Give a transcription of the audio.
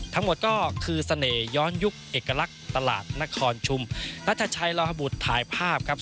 ทั้งหมดก็คือเสน่หย้อนยุคเอกลักษณ์ตลาดนครชุมนัทชัยลาฮบุตรถ่ายภาพครับ